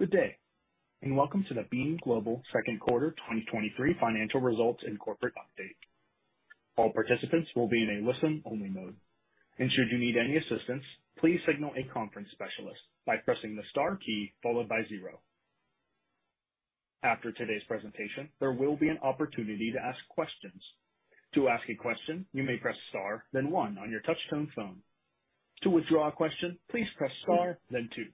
Good day. Welcome to the Beam Global Q2 2023 Financial Results and Corporate Update. All participants will be in a listen-only mode. Should you need any assistance, please signal a conference specialist by pressing the star key followed by zero. After today's presentation, there will be an opportunity to ask questions. To ask a question, you may press star, then one on your touchtone phone. To withdraw a question, please press star then two.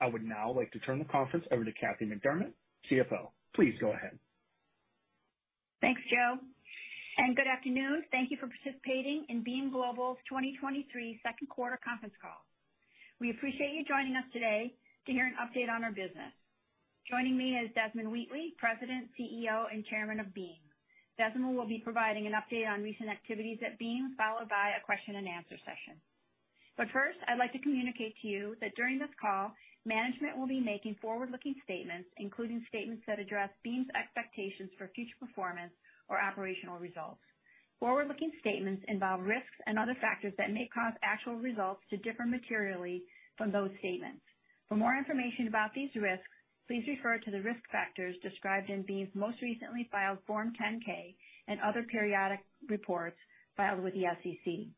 I would now like to turn the conference over to Kathy McDermott, CFO. Please go ahead. Thanks, Joe, and good afternoon. Thank you for participating in Beam Global's 2023 Q2 Conference Call. We appreciate you joining us today to hear an update on our business. Joining me is Desmond Wheatley, President, CEO, and Chairman of Beam. Desmond will be providing an update on recent activities at Beam, followed by a question and answer session. First, I'd like to communicate to you that during this call, management will be making forward-looking statements, including statements that address Beam's expectations for future performance or operational results. Forward-looking statements involve risks and other factors that may cause actual results to differ materially from those statements. For more information about these risks, please refer to the risk factors described in Beam's most recently filed Form 10-K and other periodic reports filed with the SEC.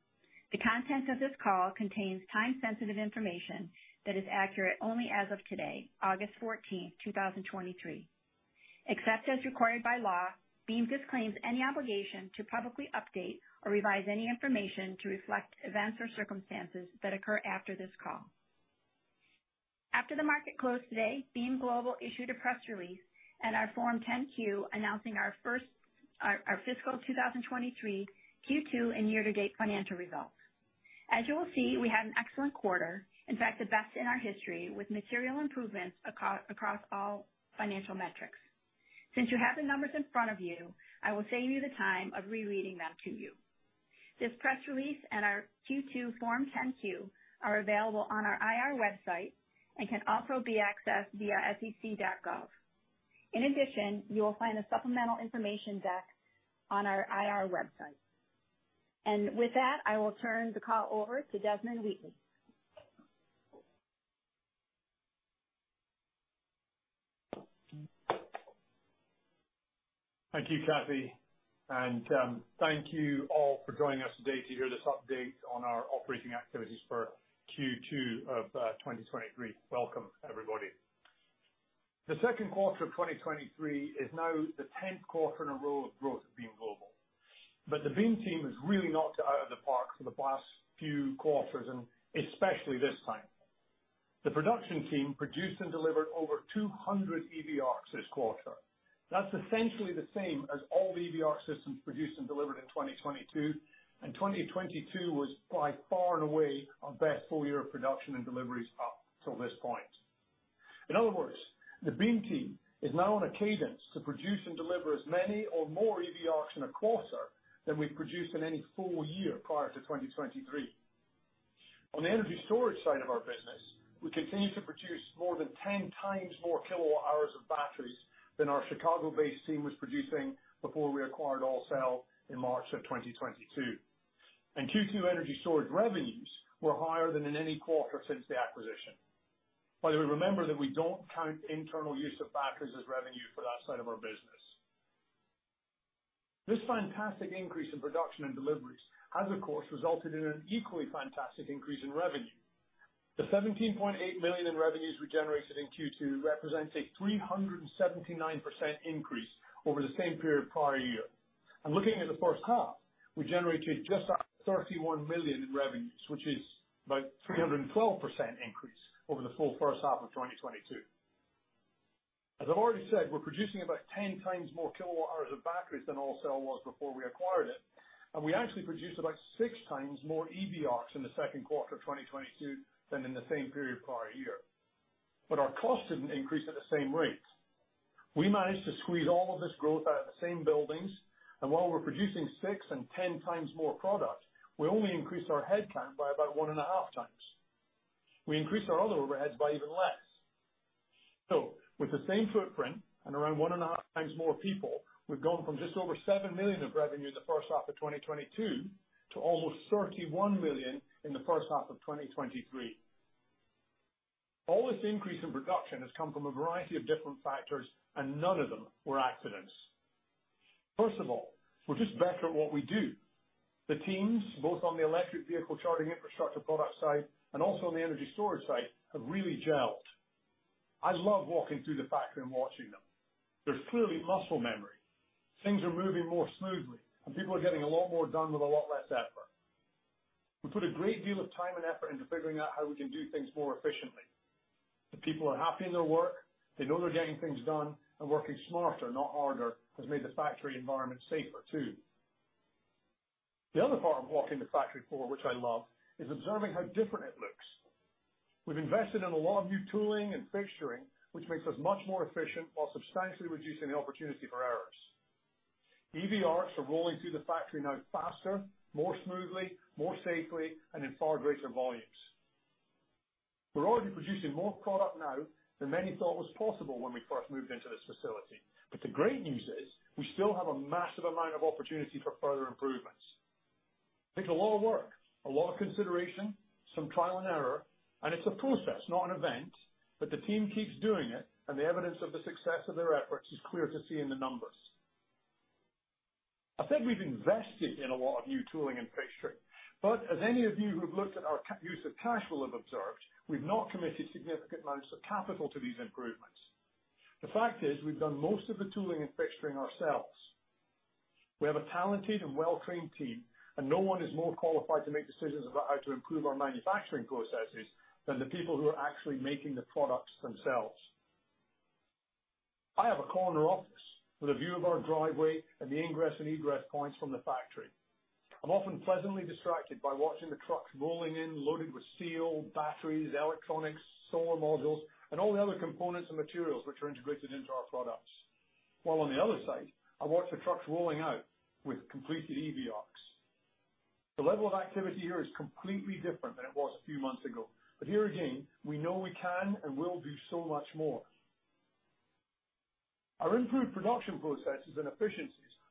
The content of this call contains time-sensitive information that is accurate only as of today, August 14, 2023. Except as required by law, Beam disclaims any obligation to publicly update or revise any information to reflect events or circumstances that occur after this call. After the market closed today, Beam Global issued a press release and our Form 10-Q, announcing fiscal 2023 Q2 and year-to-date financial results. As you will see, we had an excellent quarter, in fact, the best in our history, with material improvements across all financial metrics. Since you have the numbers in front of you, I will save you the time of rereading them to you. This press release and our Q2 Form 10-Q are available on our IR website and can also be accessed via SEC.gov. In addition, you will find a supplemental information deck on our IR website. With that, I will turn the call over to Desmond Wheatley. Thank you, Kathy, and thank you all for joining us today to hear this update on our operating activities for Q2 of 2023. Welcome, everybody. The Q2 of 2023 is now the 10th quarter in a row of growth at Beam Global. The Beam team has really knocked it out of the park for the past few quarters and especially this time. The production team produced and delivered over 200 EV ARCs this quarter. That's essentially the same as all the EV ARC systems produced and delivered in 2022, and 2022 was by far and away our best full year of production and deliveries up till this point. In other words, the Beam team is now on a cadence to produce and deliver as many or more EV ARCs in a quarter than we've produced in any full year prior to 2023. On the energy storage side of our business, we continue to produce more than 10 times more kWh of batteries than our Chicago-based team was producing before we acquired AllCell in March of 2022. Q2 energy storage revenues were higher than in any quarter since the acquisition. By the way, remember that we don't count internal use of batteries as revenue for that side of our business. This fantastic increase in production and deliveries has, of course, resulted in an equally fantastic increase in revenue. The $17.8 million in revenues we generated in Q2 represents a 379% increase over the same period prior year. Looking at the H1, we generated just over $31 million in revenues, which is about 312% increase over the full H1 of 2022. As I've already said, we're producing about 10 times more kWh of batteries than AllCell was before we acquired it, and we actually produced about six times more EV ARCs in the Q2 of 2022 than in the same period prior year. Our costs didn't increase at the same rate. We managed to squeeze all of this growth out of the same buildings, and while we're producing six and 10 times more product, we only increased our headcount by about 1.5 times. We increased our other overheads by even less. With the same footprint and around 1.5 times more people, we've gone from just over $7 million of revenue in the H1 of 2022 to almost $31 million in the H1 of 2023. This increase in production has come from a variety of different factors, and none of them were accidents. First of all, we're just better at what we do. The teams, both on the electric vehicle charging infrastructure product side and also on the energy storage side, have really gelled. I love walking through the factory and watching them. There's clearly muscle memory. Things are moving more smoothly, and people are getting a lot more done with a lot less effort. We put a great deal of time and effort into figuring out how we can do things more efficiently. The people are happy in their work, they know they're getting things done, working smarter, not harder, has made the factory environment safer, too. The other part of walking the factory floor, which I love, is observing how different it looks. We've invested in a lot of new tooling and fixturing, which makes us much more efficient while substantially reducing the opportunity for errors. EV ARCs are rolling through the factory now faster, more smoothly, more safely, and in far greater volumes. We're already producing more product now than many thought was possible when we first moved into this facility. The great news is, we still have a massive amount of opportunity for further improvements.... It takes a lot of work, a lot of consideration, some trial and error, and it's a process, not an event, but the team keeps doing it, and the evidence of the success of their efforts is clear to see in the numbers. I said we've invested in a lot of new tooling and fixturing, but as any of you who have looked at our use of cash will have observed, we've not committed significant amounts of capital to these improvements. The fact is, we've done most of the tooling and fixturing ourselves. We have a talented and well-trained team, and no one is more qualified to make decisions about how to improve our manufacturing processes than the people who are actually making the products themselves. I have a corner office with a view of our driveway and the ingress and egress points from the factory. I'm often pleasantly distracted by watching the trucks rolling in, loaded with steel, batteries, electronics, solar modules, and all the other components and materials which are integrated into our products. While on the other side, I watch the trucks rolling out with completed EV ARCs. The level of activity here is completely different than it was a few months ago, but here again, we know we can and will do so much more.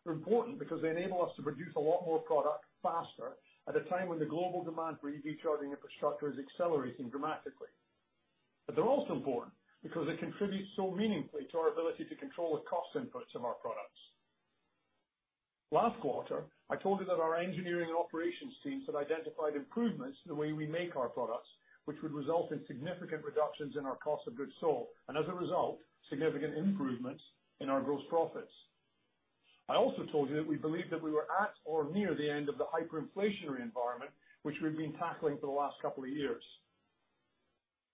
They're also important because they contribute so meaningfully to our ability to control the cost inputs of our products. Last quarter, I told you that our engineering and operations teams had identified improvements in the way we make our products, which would result in significant reductions in our cost of goods sold, and as a result, significant improvements in our gross profits. I also told you that we believed that we were at or near the end of the hyperinflationary environment, which we've been tackling for the last couple of years.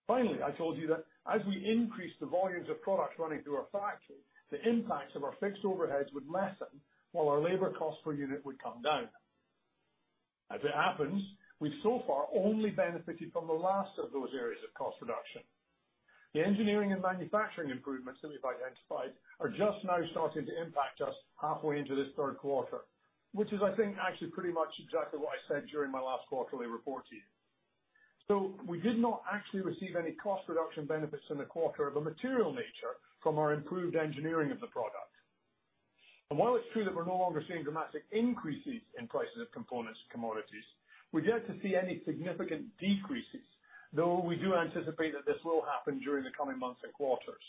Finally, I told you that as we increase the volumes of products running through our factory, the impacts of our fixed overheads would lessen while our labor cost per unit would come down. As it happens, we've so far only benefited from the last of those areas of cost reduction. The engineering and manufacturing improvements that we've identified are just now starting to impact us halfway into this Q3, which is, I think, actually pretty much exactly what I said during my last quarterly report to you. We did not actually receive any cost reduction benefits in the quarter of a material nature from our improved engineering of the product. While it's true that we're no longer seeing dramatic increases in prices of components and commodities, we're yet to see any significant decreases, though we do anticipate that this will happen during the coming months and quarters.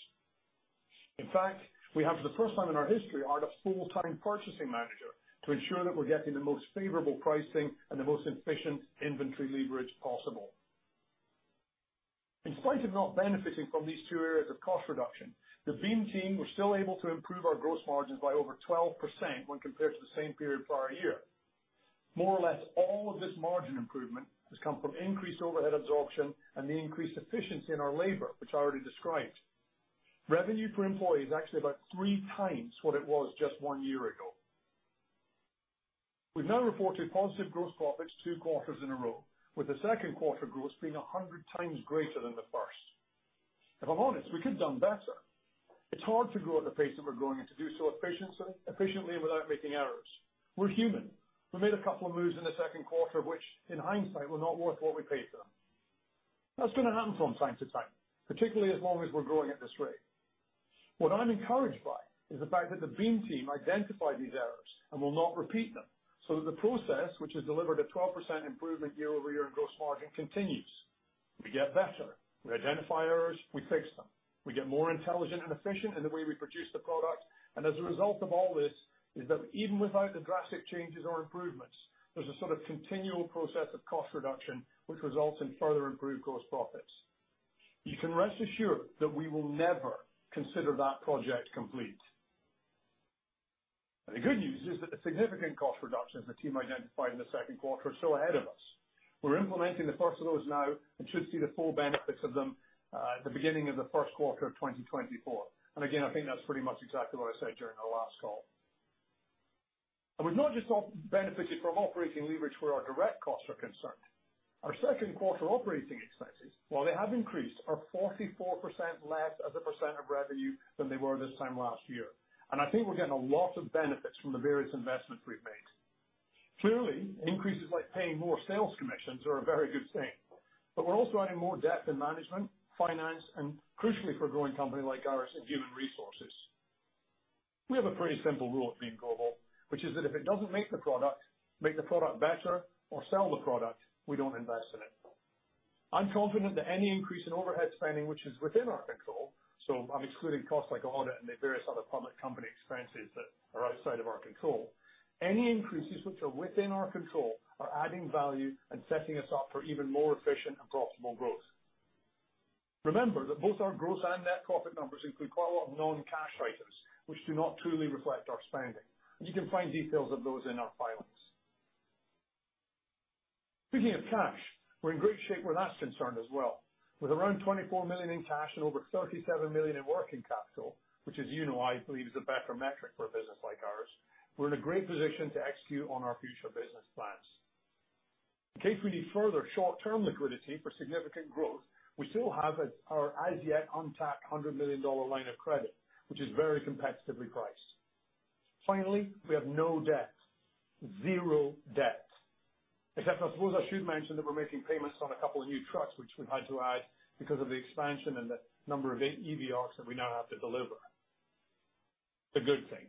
In fact, we have, for the first time in our history, hired a full-time purchasing manager to ensure that we're getting the most favorable pricing and the most efficient inventory leverage possible. In spite of not benefiting from these two areas of cost reduction, the Beam team was still able to improve our gross margins by over 12% when compared to the same period prior year. More or less, all of this margin improvement has come from increased overhead absorption and the increased efficiency in our labor, which I already described. Revenue per employee is actually about three times what it was just one year ago. We've now reported positive gross profits two quarters in a row, with the Q2 growth being 100 times greater than the first. If I'm honest, we could have done better. It's hard to grow at the pace that we're growing and to do so efficiently, efficiently without making errors. We're human. We made a couple of moves in the Q2, which, in hindsight, were not worth what we paid for them. That's going to happen from time to time, particularly as long as we're growing at this rate. What I'm encouraged by is the fact that the Beam team identified these errors and will not repeat them, so that the process, which has delivered a 12% improvement year-over-year in gross margin, continues. We get better. We identify errors, we fix them. We get more intelligent and efficient in the way we produce the product, and as a result of all this, is that even without the drastic changes or improvements, there's a sort of continual process of cost reduction, which results in further improved gross profits. You can rest assured that we will never consider that project complete. The good news is that the significant cost reductions the team identified in the Q2 are still ahead of us. We're implementing the first of those now and should see the full benefits of them at the beginning of the Q1 of 2024. I think that's pretty much exactly what I said during our last call. We've not just all benefited from operating leverage where our direct costs are concerned. Our Q2 operating expenses, while they have increased, are 44% less as a percent of revenue than they were this time last year. I think we're getting a lot of benefits from the various investments we've made. Clearly, increases like paying more sales commissions are a very good thing, but we're also adding more depth in management, finance, and crucially, for a growing company like ours, in human resources. We have a pretty simple rule at Beam Global, which is that if it doesn't make the product, make the product better, or sell the product, we don't invest in it. I'm confident that any increase in overhead spending, which is within our control, so I'm excluding costs like audit and the various other public company expenses that are outside of our control. Any increases which are within our control are adding value and setting us up for even more efficient and profitable growth. Remember that both our gross and net profit numbers include quite a lot of non-cash items, which do not truly reflect our spending, and you can find details of those in our filings. Speaking of cash, we're in great shape where that's concerned as well. With around $24 million in cash and over $37 million in working capital, which as you know, I believe is a better metric for a business like ours, we're in a great position to execute on our future business plans. In case we need further short-term liquidity for significant growth, we still have our as-yet-untapped $100 million line of credit, which is very competitively priced. Finally, we have no debt. 0 debt. Except I suppose I should mention that we're making payments on a couple of new trucks, which we've had to add because of the expansion and the number of EV ARCs that we now have to deliver. It's a good thing.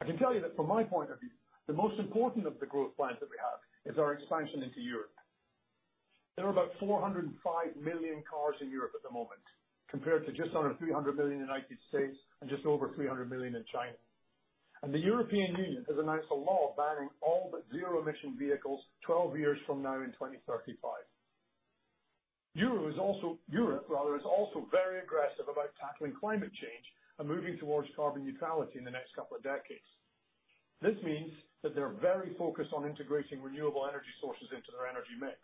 I can tell you that from my point of view, the most important of the growth plans that we have is our expansion into Europe. There are about 405 million cars in Europe at the moment, compared to just under 300 million in the United States and just over 300 million in China. The European Union has announced a law banning all but zero emission vehicles 12 years from now in 2035. Europe, rather, is also very aggressive about tackling climate change and moving towards carbon neutrality in the next couple of decades. This means that they're very focused on integrating renewable energy sources into their energy mix.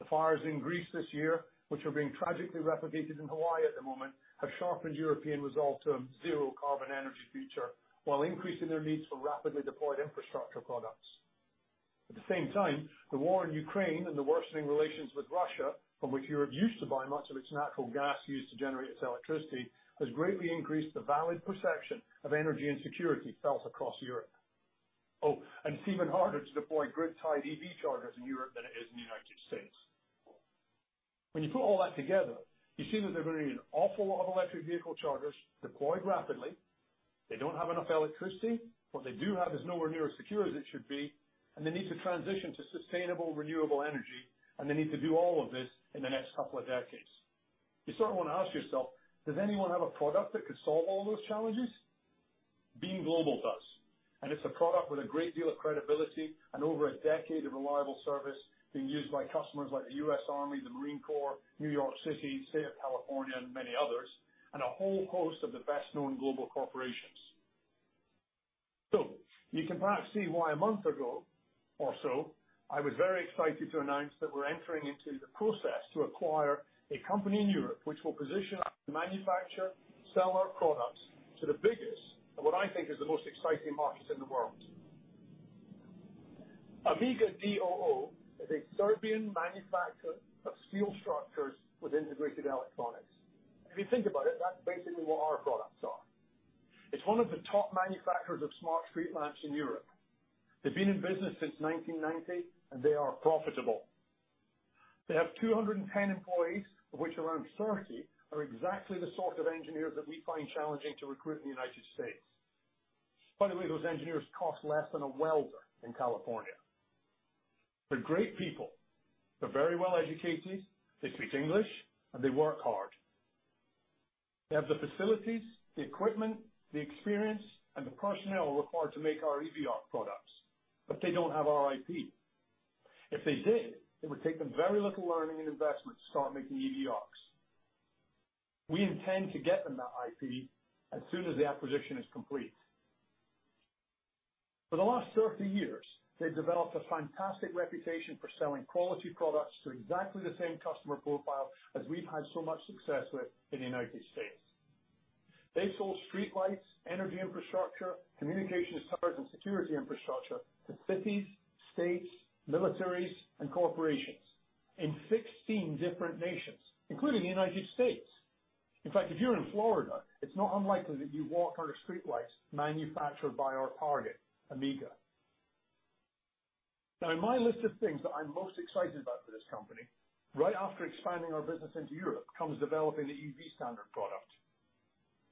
The fires in Greece this year, which are being tragically replicated in Hawaii at the moment, have sharpened European resolve to a zero carbon energy future while increasing their needs for rapidly deployed infrastructure products. At the same time, the war in Ukraine and the worsening relations with Russia, from which Europe used to buy much of its natural gas used to generate its electricity, has greatly increased the valid perception of energy insecurity felt across Europe. Oh, it's even harder to deploy grid-tied EV chargers in Europe than it is in the US When you put all that together, you see that they're going to need an awful lot of electric vehicle chargers deployed rapidly. They don't have enough electricity. What they do have is nowhere near as secure as it should be, they need to transition to sustainable, renewable energy, they need to do all of this in the next couple of decades. You sort of want to ask yourself, does anyone have a product that could solve all those challenges? Beam Global does, and it's a product with a great deal of credibility and over a decade of reliable service being used by customers like the US Army, the US Marine Corps, New York City, State of California, and many others, and a whole host of the best-known global corporations. You can perhaps see why a month ago or so, I was very excited to announce that we're entering into the process to acquire a company in Europe which will position us to manufacture and sell our products to the biggest, and what I think is the most exciting market in the world. Amiga DOO is a Serbian manufacturer of steel structures with integrated electronics. If you think about it, that's basically what our products are. It's one of the top manufacturers of smart street lamps in Europe. They've been in business since 1990, and they are profitable. They have 210 employees, of which around 30 are exactly the sort of engineers that we find challenging to recruit in the United States. By the way, those engineers cost less than a welder in California. They're great people. They're very well educated, they speak English, and they work hard. They have the facilities, the equipment, the experience, and the personnel required to make our EV ARC products, but they don't have our IP. If they did, it would take them very little learning and investment to start making EV ARCs. We intend to get them that IP as soon as the acquisition is complete. For the last 30 years, they've developed a fantastic reputation for selling quality products to exactly the same customer profile as we've had so much success with in the United States. They've sold streetlights, energy infrastructure, communications towers, and security infrastructure to cities, states, militaries, and corporations in 16 different nations, including the United States. In fact, if you're in Florida, it's not unlikely that you've walked under streetlights manufactured by our target, Amiga. Now, in my list of things that I'm most excited about for this company, right after expanding our business into Europe, comes developing the EV Standard product.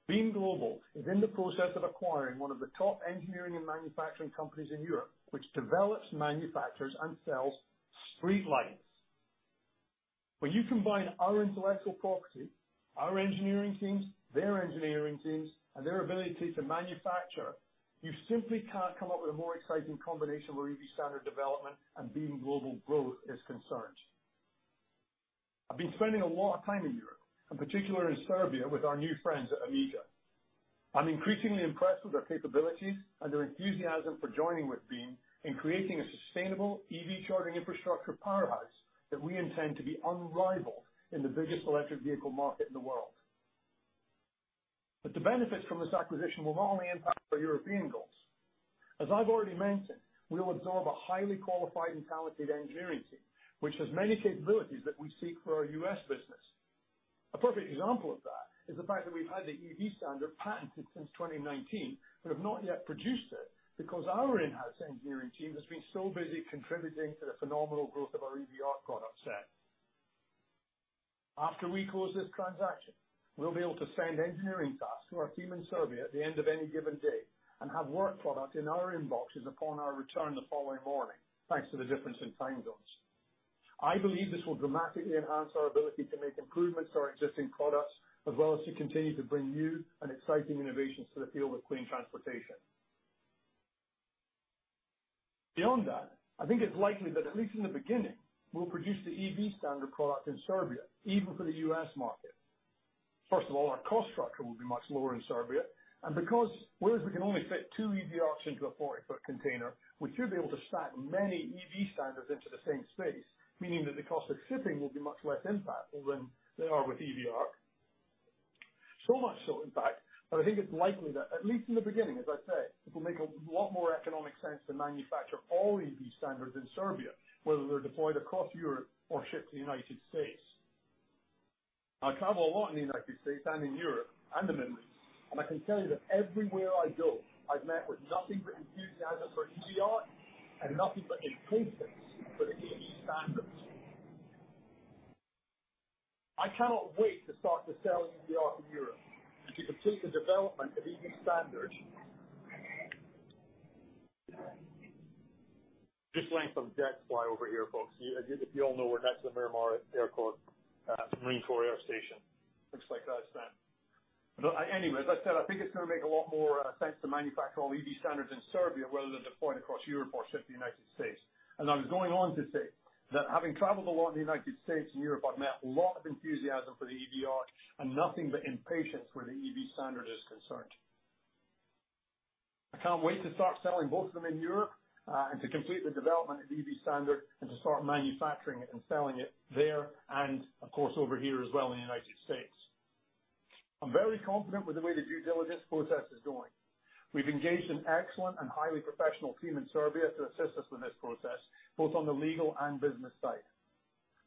Beam Global is in the process of acquiring one of the top engineering and manufacturing companies in Europe, which develops, manufactures, and sells streetlights. When you combine our intellectual property, our engineering teams, their engineering teams, and their ability to manufacture, you simply can't come up with a more exciting combination where EV Standard development and Beam Global growth is concerned. I've been spending a lot of time in Europe, and particularly in Serbia, with our new friends at Amiga. I'm increasingly impressed with their capabilities and their enthusiasm for joining with Beam in creating a sustainable EV charging infrastructure powerhouse that we intend to be unrivaled in the biggest electric vehicle market in the world. The benefits from this acquisition will not only impact our European goals. As I've already mentioned, we will absorb a highly qualified and talented engineering team, which has many capabilities that we seek for our US business. A perfect example of that is the fact that we've had the EV Standard patented since 2019, but have not yet produced it because our in-house engineering team has been so busy contributing to the phenomenal growth of our EV ARC product set. After we close this transaction, we'll be able to send engineering tasks to our team in Serbia at the end of any given day and have work product in our inboxes upon our return the following morning, thanks to the difference in time zones. I believe this will dramatically enhance our ability to make improvements to our existing products, as well as to continue to bring new and exciting innovations to the field of clean transportation. Beyond that, I think it's likely that at least in the beginning, we'll produce the EV Standard product in Serbia, even for the US market. First of all, our cost structure will be much lower in Serbia, because whereas we can only fit 2 EV ARCs into a 40-foot container, we should be able to stack many EV Standards into the same space, meaning that the cost of shipping will be much less impactful than they are with EV ARC. Much so, in fact, that I think it's likely that, at least in the beginning, as I say, it will make a lot more economic sense to manufacture all EV Standards in Serbia, whether they're deployed across Europe or shipped to the United States. I travel a lot in the United States and in Europe and the Middle East, I can tell you that everywhere I go, I've met with nothing but enthusiasm for EV ARC and nothing but impatience-... I cannot wait to start the selling of the EV ARC in Europe and to complete the development of EV Standard. Just letting some jets fly over here, folks. You, you if you all know, we're next to Miramar Airport, Marine Corps Air Station. Looks like that's that. Anyway, as I said, I think it's gonna make a lot more sense to manufacture all EV Standards in Serbia rather than deploy it across Europe or ship to the United States. I was going on to say that having traveled a lot in the United States and Europe, I've met a lot of enthusiasm for the EV ARC and nothing but impatience where the EV Standard is concerned. I can't wait to start selling both of them in Europe, and to complete the development of EV Standard and to start manufacturing it and selling it there and, of course, over here as well in the United States. I'm very confident with the way the due diligence process is going. We've engaged an excellent and highly professional team in Serbia to assist us in this process, both on the legal and business side.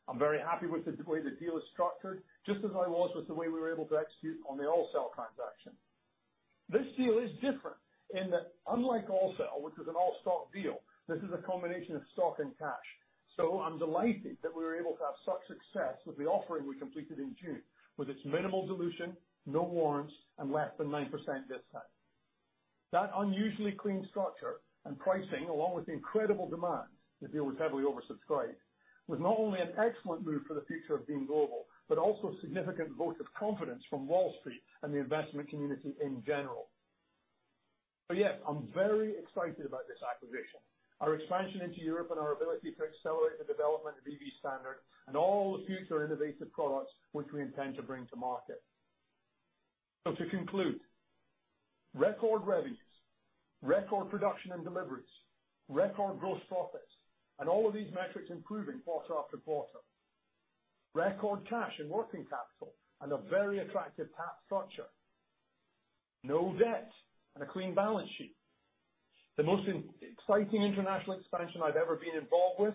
I'm very happy with the way the deal is structured, just as I was with the way we were able to execute on the AllCell transaction. This deal is different in that, unlike AllCell, which was an all-stock deal, this is a combination of stock and cash. I'm delighted that we were able to have such success with the offering we completed in June, with its minimal dilution, no warrants, and less than 9% debt size. That unusually clean structure and pricing, along with the incredible demand, the deal was heavily oversubscribed, was not only an excellent move for the future of Beam Global, but also a significant vote of confidence from Wall Street and the investment community in general. Yes, I'm very excited about this acquisition, our expansion into Europe, and our ability to accelerate the development of EV Standard and all the future innovative products which we intend to bring to market. To conclude, record revenues, record production and deliveries, record gross profits, and all of these metrics improving quarter after quarter. Record cash and working capital, and a very attractive tax structure. No debt and a clean balance sheet. The most exciting international expansion I've ever been involved with.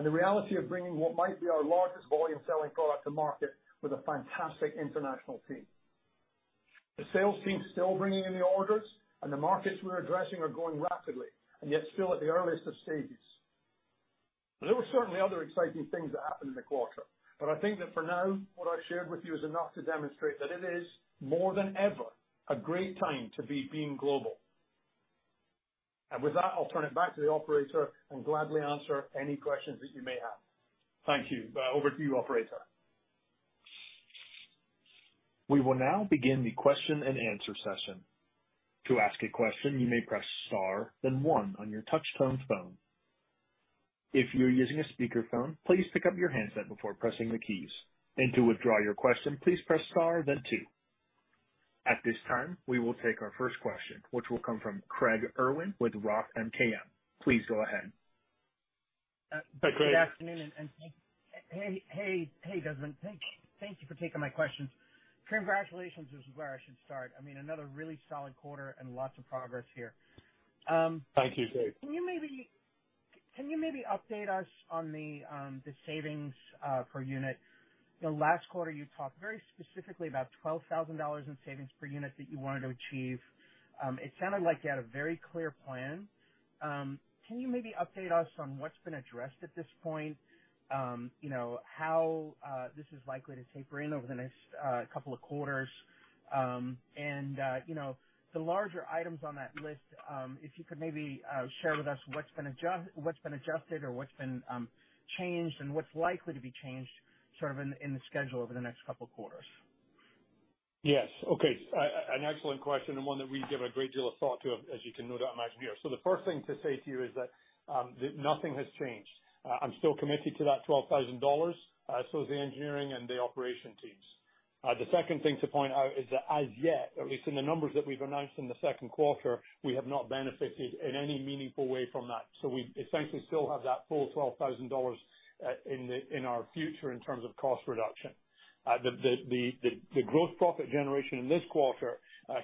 The reality of bringing what might be our largest volume-selling product to market with a fantastic international team. The sales team's still bringing in the orders, the markets we're addressing are growing rapidly, and yet still at the earliest of stages. There were certainly other exciting things that happened in the quarter, but I think that for now, what I've shared with you is enough to demonstrate that it is, more than ever, a great time to be Beam Global. With that, I'll turn it back to the operator and gladly answer any questions that you may have. Thank you. Over to you, operator. We will now begin the question and answer session. To ask a question, you may press star then one on your touchtone phone. If you're using a speakerphone, please pick up your handset before pressing the keys. And to withdraw your question, please press star then two. At this time, we will take our first question, which will come from Craig Irwin with Roth MKM. Please go ahead. Hi, Craig. Good afternoon and, and hey, hey, Desmond. Thank, thank you for taking my questions. Congratulations is where I should start. I mean, another really solid quarter and lots of progress here. Thank you, Craig. Can you maybe, can you maybe update us on the savings per unit? The last quarter, you talked very specifically about $12,000 in savings per unit that you wanted to achieve. It sounded like you had a very clear plan. Can you maybe update us on what's been addressed at this point? You know, how this is likely to taper in over the next couple of quarters? You know, the larger items on that list, if you could maybe share with us what's been adjusted or what's been changed and what's likely to be changed, sort of, in the schedule over the next couple quarters. Yes. Okay. an excellent question and one that we give a great deal of thought to, as you can no doubt imagine here. The first thing to say to you is that nothing has changed. I'm still committed to that $12,000, so is the engineering and the operation teams. The second thing to point out is that as yet, at least in the numbers that we've announced in the Q2, we have not benefited in any meaningful way from that. We essentially still have that full $12,000 in the, in our future in terms of cost reduction. The, the, the, the, the gross profit generation in this quarter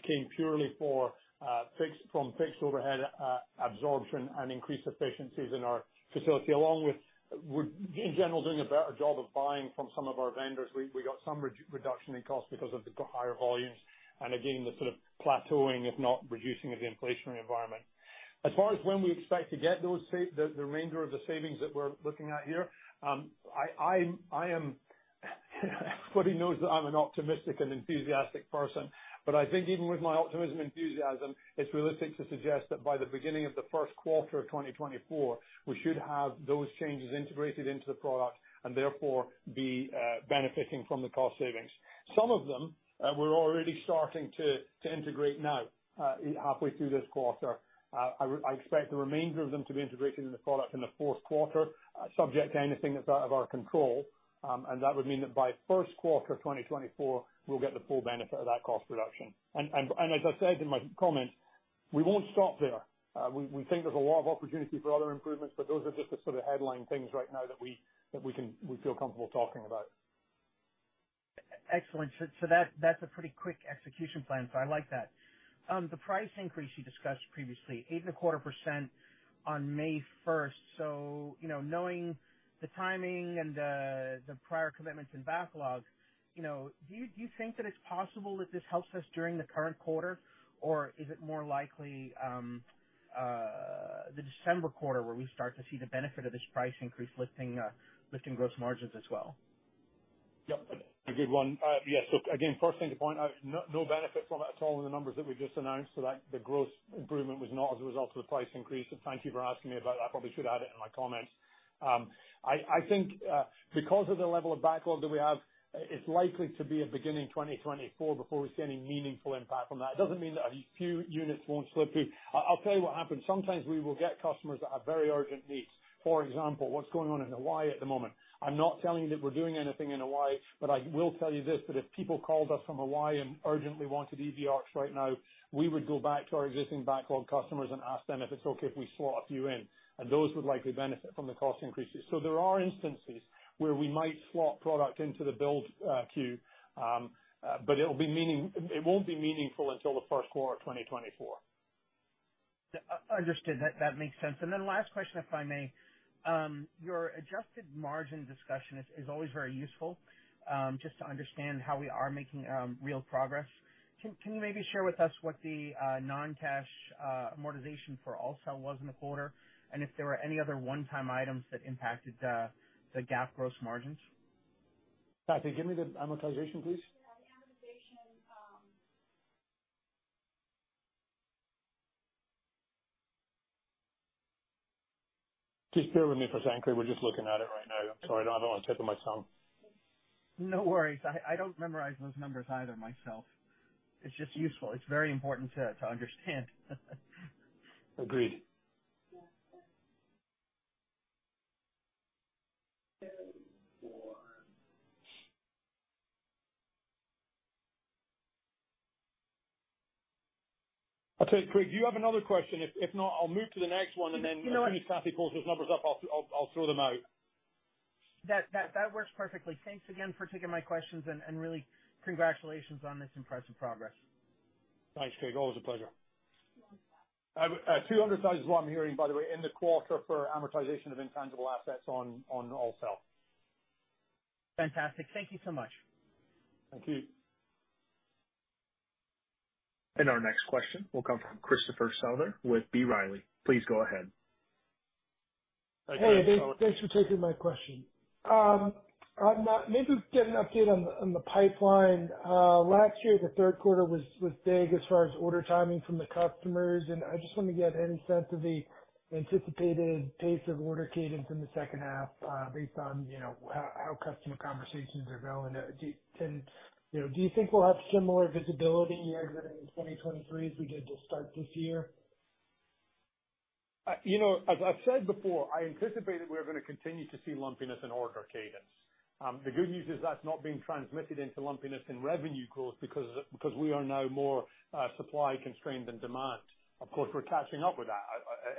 came purely for fixed, from fixed overhead absorption and increased efficiencies in our facility, along with we're, in general, doing a better job of buying from some of our vendors. We, we got some reduction in cost because of the higher volumes and again, the sort of plateauing, if not reducing, of the inflationary environment. As far as when we expect to get the, the remainder of the savings that we're looking at here, I am Everybody knows that I'm an optimistic and enthusiastic person, but I think even with my optimism and enthusiasm, it's realistic to suggest that by the beginning of the Q1 of 2024, we should have those changes integrated into the product and therefore be benefiting from the cost savings. Some of them, we're already starting to, to integrate now, halfway through this quarter. I, I expect the remainder of them to be integrated into the product in the Q4, subject to anything that's out of our control. That would mean that by Q1 of 2024, we'll get the full benefit of that cost reduction. As I said in my comments, we won't stop there. We, we think there's a lot of opportunity for other improvements, but those are just the sort of headline things right now that we, that we feel comfortable talking about. Excellent. So that's, that's a pretty quick execution plan, so I like that. The price increase you discussed previously, 8.25% on May 1st. You know, knowing the timing and the prior commitments and backlogs, you know, do you, do you think that it's possible that this helps us during the current quarter, or is it more likely, the December quarter where we start to see the benefit of this price increase lifting, lifting gross margins as well? Yep, a good one. Yes. Again, first thing to point out, no, no benefit from it at all in the numbers that we just announced, so that the gross improvement was not as a result of the price increase. Thank you for asking me about that. I probably should add it in my comments. I, I think, because of the level of backlog that we have, it's likely to be in beginning 2024 before we see any meaningful impact from that. It doesn't mean that a few units won't slip through. I, I'll tell you what happens. Sometimes we will get customers that have very urgent needs. For example, what's going on in Hawaii at the moment? I'm not telling you that we're doing anything in Hawaii, but I will tell you this, that if people called us from Hawaii and urgently wanted EV ARCs right now, we would go back to our existing backlog customers and ask them if it's okay if we slot a few in, and those would likely benefit from the cost increases. There are instances where we might slot product into the build queue, but it won't be meaningful until the Q1 of 2024. Yeah, understood. That, that makes sense. Last question, if I may. Your adjusted margin discussion is, is always very useful, just to understand how we are making real progress. Can, can you maybe share with us what the non-cash amortization for AllCell was in the quarter, and if there were any other one-time items that impacted the GAAP gross margins? Kathy, give me the amortization, please. Yeah, the amortization. Just bear with me for a second, Craig. We're just looking at it right now. I'm sorry, I don't have it on the tip of my tongue. No worries. I, I don't memorize those numbers either, myself. It's just useful. It's very important to, to understand. Agreed. Yeah. I'll tell you, Craig, do you have another question? If, if not, I'll move to the next one, and then- You know what? As soon as Kathy pulls those numbers up, I'll I'll, I'll throw them out. That, that, that works perfectly. Thanks again for taking my questions, and really congratulations on this impressive progress. Thanks, Craig. Always a pleasure. $200,000. $200,000 is what I'm hearing, by the way, in the quarter for amortization of intangible assets on, on AllCell. Fantastic. Thank you so much. Thank you. Our next question will come from Christopher Souther with B. Riley Securities. Please go ahead. Hi, Christopher- Hey, thanks, thanks for taking my question. Maybe get an update on the pipeline. Last year, the Q3 was big as far as order timing from the customers, and I just want to get any sense of the anticipated pace of order cadence in the H2, based on, you know, how customer conversations are going. You know, do you think we'll have similar visibility exiting in 2023 as we did to start this year? you know, as I've said before, I anticipate that we're gonna continue to see lumpiness in order cadence. The good news is that's not being transmitted into lumpiness in revenue growth because of the, because we are now more supply constrained than demand. Of course, we're catching up with that.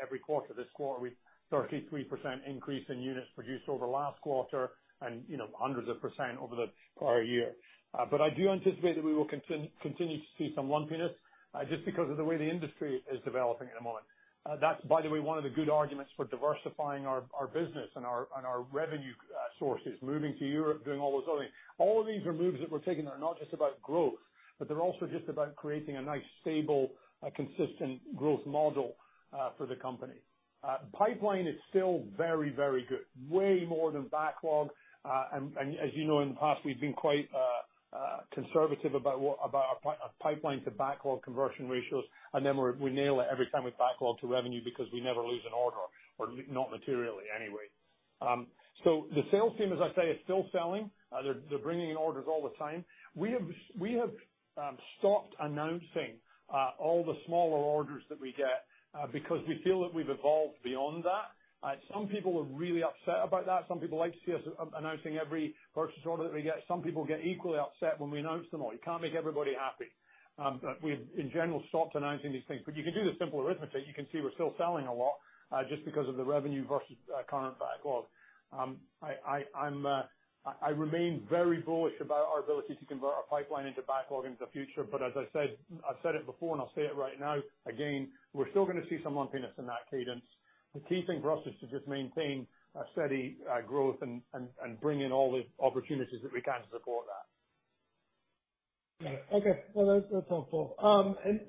Every quarter, this quarter, we've 33% increase in units produced over last quarter and, you know, hundreds of % over the prior year. I do anticipate that we will continue to see some lumpiness just because of the way the industry is developing at the moment. That's, by the way, one of the good arguments for diversifying our, our business and our, and our revenue sources, moving to Europe, doing all those other things. All of these are moves that we're taking that are not just about growth, but they're also just about creating a nice, stable, consistent growth model for the company. Pipeline is still very, very good, way more than backlog. And as you know, in the past, we've been quite conservative about our pipeline to backlog conversion ratios, and then we're, we nail it every time with backlog to revenue because we never lose an order, or not materially anyway. So the sales team, as I say, is still selling. They're, they're bringing in orders all the time. We have, we have stopped announcing all the smaller orders that we get because we feel that we've evolved beyond that. Some people are really upset about that. Some people like to see us announcing every purchase order that we get. Some people get equally upset when we announce them all. You can't make everybody happy, but we've, in general, stopped announcing these things. You can do the simple arithmetic. You can see we're still selling a lot, just because of the revenue versus current backlog. I remain very bullish about our ability to convert our pipeline into backlog in the future, as I said, I've said it before and I'll say it right now, again, we're still gonna see some lumpiness in that cadence. The key thing for us is to just maintain a steady growth and bring in all the opportunities that we can to support that. Okay. Well, that's, that's helpful.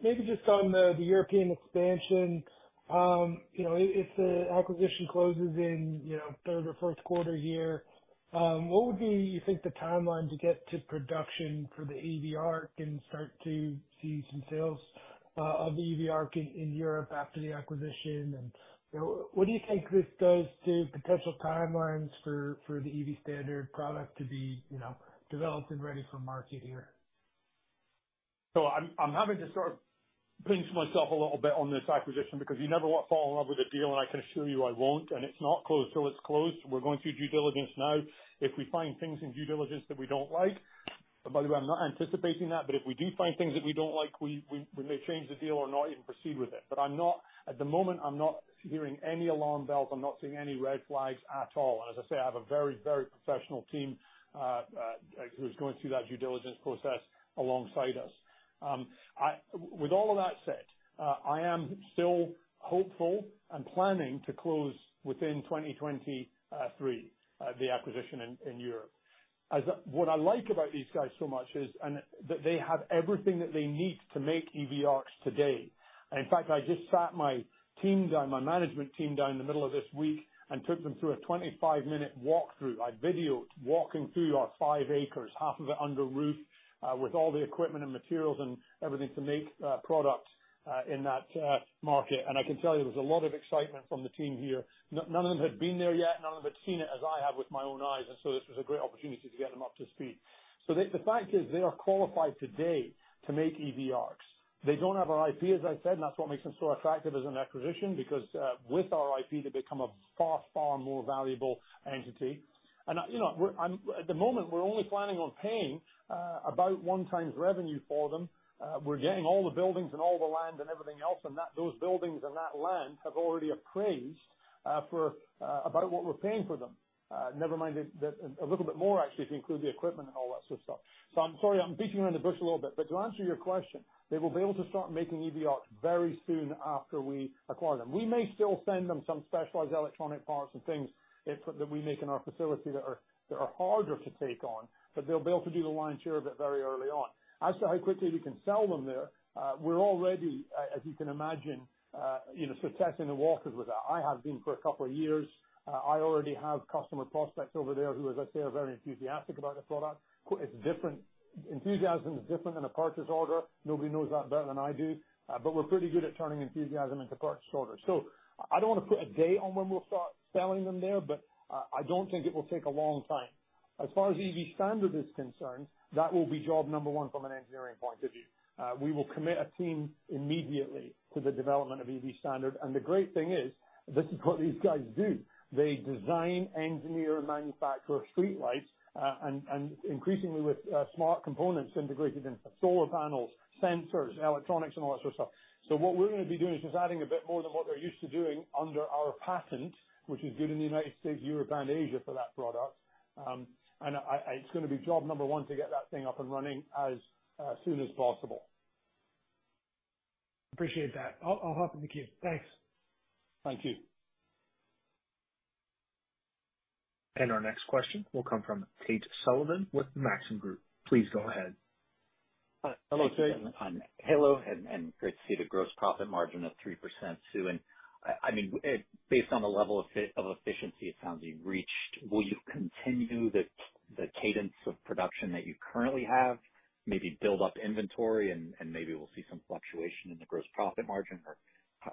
Maybe just on the, the European expansion, you know, if the acquisition closes in, you know, third or Q1 here, what would be, you think, the timeline to get to production for the EV ARC and start to see some sales of the EV ARC in Europe after the acquisition? You know, what do you think this does to potential timelines for, for the EV Standard product to be, you know, developed and ready for market here? I'm, I'm having to sort of pinch myself a little bit on this acquisition because you never want to fall in love with a deal, and I can assure you I won't, and it's not closed till it's closed. We're going through due diligence now. If we find things in due diligence that we don't like... By the way, I'm not anticipating that, but if we do find things that we don't like, we, we, we may change the deal or not even proceed with it. I'm not, at the moment, I'm not hearing any alarm bells. I'm not seeing any red flags at all. As I say, I have a very, very professional team, who's going through that due diligence process alongside us. With all of that said, I am still hopeful and planning to close within 2023 the acquisition in Europe. What I like about these guys so much is, and that they have everything that they need to make EV ARCs today. In fact, I just sat my team down, my management team down in the middle of this week and took them through a 25-minute walkthrough. I videoed walking through our 5 acres, half of it under roof, with all the equipment and materials and everything to make product in that market. I can tell you, there was a lot of excitement from the team here. None of them had been there yet, none of them had seen it as I have with my own eyes, so this was a great opportunity to get them up to speed. The fact is, they are qualified today to make EV ARCs. They don't have our IP, as I said, that's what makes them so attractive as an acquisition, because with our IP, they become a far, far more valuable entity. You know, at the moment, we're only planning on paying about 1x revenue for them. We're getting all the buildings and all the land and everything else, those buildings and that land have already appraised for about what we're paying for them. Never mind that. A little bit more, actually, if you include the equipment and all that sort of stuff. I'm sorry I'm beating around the bush a little bit, but to answer your question, they will be able to start making EV ARCs very soon after we acquire them. We may still send them some specialized electronic parts and things that we make in our facility that are, that are harder to take on, but they'll be able to do the lion's share of it very early on. As to how quickly we can sell them there, we're already, as you can imagine, you know, sort of testing the waters with that. I have been for a couple of years. I already have customer prospects over there who, as I say, are very enthusiastic about the product. It's different. Enthusiasm is different than a purchase order. Nobody knows that better than I do, but we're pretty good at turning enthusiasm into purchase orders. I don't want to put a date on when we'll start selling them there, but I don't think it will take a long time. As far as EV Standard is concerned, that will be job number one from an engineering point of view. We will commit a team immediately to the development of EV Standard. The great thing is, this is what these guys do. They design, engineer, and manufacture streetlights, and, and increasingly with, smart components integrated into solar panels, sensors, electronics, and all that sort of stuff. What we're going to be doing is just adding a bit more than what they're used to doing under our patent, which is good in the United States, Europe, and Asia for that product. I, it's gonna be job number one to get that thing up and running as soon as possible. Appreciate that. I'll, I'll hop in the queue. Thanks. Thank you. Our next question will come from Tate Sullivan with the Maxim Group. Please go ahead. Hello, Tate. Hello, great to see the gross profit margin at 3%, too. I mean, based on the level of efficiency it sounds you've reached, will you continue the, the cadence of production that you currently have, maybe build up inventory and, and maybe we'll see some fluctuation in the gross profit margin? Or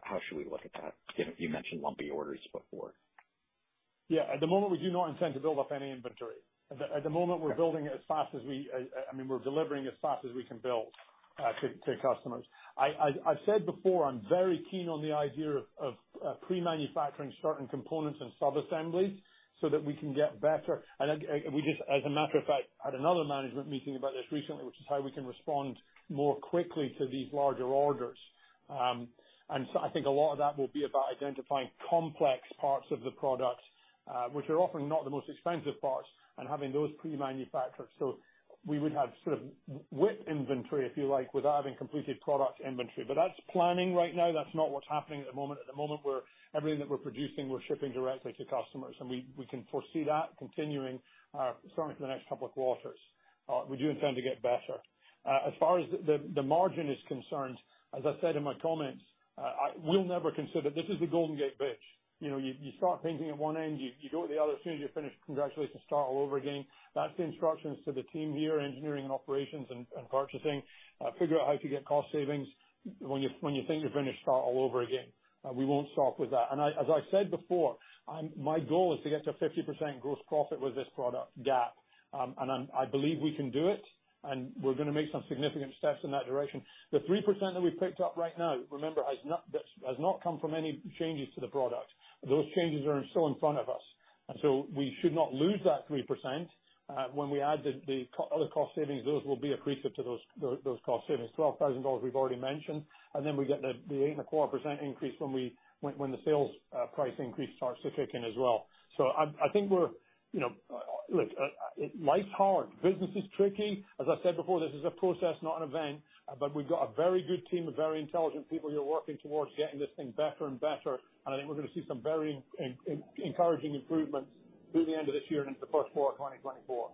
how should we look at that? Again, you mentioned lumpy orders before. Yeah. At the moment, we do not intend to build up any inventory. At the, at the moment, we're building as fast as we. I mean, we're delivering as fast as we can build to, to customers. I, I, I said before, I'm very keen on the idea of, of pre-manufacturing certain components and sub-assemblies so that we can get better. We just, as a matter of fact, had another management meeting about this recently, which is how we can respond more quickly to these larger orders. So I think a lot of that will be about identifying complex parts of the product, which are often not the most expensive parts, and having those pre-manufactured. So we would have sort of width inventory, if you like, without having completed product inventory. That's planning right now. That's not what's happening at the moment. At the moment, we're-- everything that we're producing, we're shipping directly to customers, and we, we can foresee that continuing, certainly for the next couple of quarters. We do intend to get better. As far as the, the, the margin is concerned, as I said in my comments, I will never consider-- this is the Golden Gate Bridge. You know, you, you start painting at one end, you, you go to the other. As soon as you're finished, congratulations, start all over again. That's the instructions to the team here, engineering and operations and, and purchasing. Figure out how to get cost savings. When you, when you think you're finished, start all over again. We won't stop with that. As I said before, my goal is to get to 50% gross profit with this product, GAAP. I'm, I believe we can do it, and we're gonna make some significant steps in that direction. The 3% that we've picked up right now, remember, has not, has not come from any changes to the product. Those changes are still in front of us, and we should not lose that 3%. When we add the other cost savings, those will be accretive to those, those, those cost savings. $12,000 we've already mentioned, and then we get the 8.25% increase when the sales price increase starts to kick in as well. I, I think we're, you know. Look, life's hard. Business is tricky. As I said before, this is a process, not an event. We've got a very good team of very intelligent people who are working towards getting this thing better and better. I think we're gonna see some very encouraging improvements through the end of this year and into the Q1 of 2024.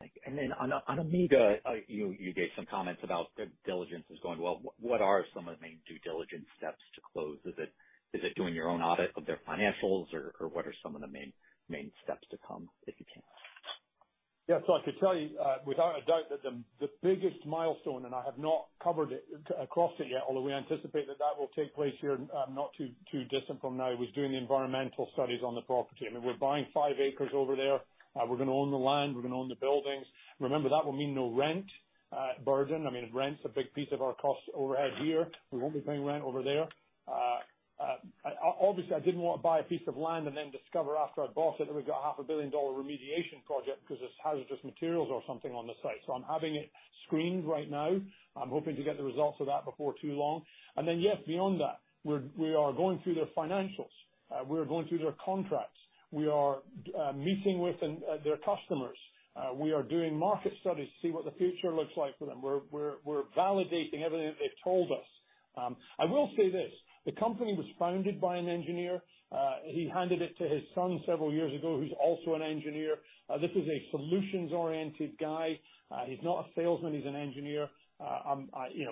Thank you. Then on, on Amiga, you, you gave some comments about due diligence is going well. What, what are some of the main due diligence steps to close? Is it, is it doing your own audit of their financials, or, or what are some of the main, main steps to come, if you can? Yeah. I could tell you, without a doubt, that the, the biggest milestone, and I have not covered it, across it yet, although we anticipate that that will take place here, not too, too distant from now, is doing the environmental studies on the property. I mean, we're buying five acres over there. We're gonna own the land, we're gonna own the buildings. Remember, that will mean no rent burden. I mean, rent's a big piece of our cost overhead here. We won't be paying rent over there. Obviously, I didn't want to buy a piece of land and then discover after I'd bought it that we've got a $500 million remediation project because there's hazardous materials or something on the site. I'm having it screened right now. I'm hoping to get the results of that before too long. Yes, beyond that, we're, we are going through their financials. We are going through their contracts. We are meeting with their customers. We are doing market studies to see what the future looks like for them. We're, we're, we're validating everything that they've told us. I will say this, the company was founded by an engineer. He handed it to his son several years ago, who's also an engineer. This is a solutions-oriented guy. He's not a salesman, he's an engineer. I, you